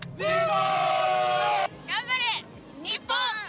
頑張れ、日本！